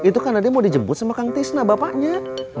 bum kalau ngomongin kesepian kita semua kesepian